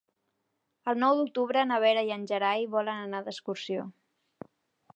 El nou d'octubre na Vera i en Gerai volen anar d'excursió.